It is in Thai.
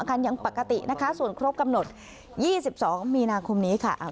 การยังปกตินะคะส่วนครบกำหนด๒๒มีนาคมนี้ค่ะ